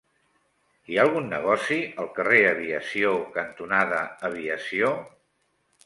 Hi ha algun negoci al carrer Aviació cantonada Aviació?